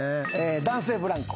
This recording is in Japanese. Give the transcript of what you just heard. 男性ブランコ。